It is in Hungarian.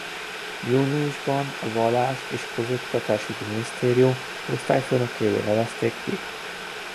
Júniusban a vallás és közoktatásügyi minisztérium osztályfőnökévé nevezték ki.